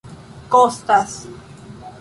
kostas